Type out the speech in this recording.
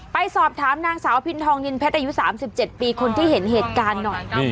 ไปสอบถามนางสาวพินทองนินเพชรอายุ๓๗ปีคนที่เห็นเหตุการณ์หน่อย